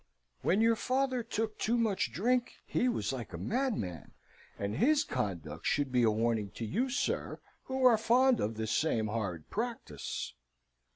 "When your father took too much drink, he was like a madman; and his conduct should be a warning to you, sir, who are fond of the same horrid practice."